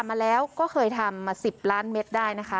มาแล้วก็เคยทำมา๑๐ล้านเม็ดได้นะคะ